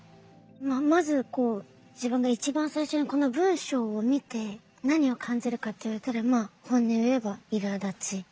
まず自分が一番最初にこの文章を見て何を感じるかって言われたら本音を言えばいらだち。